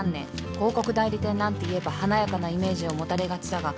広告代理店なんて言えば華やかなイメージを持たれがちだか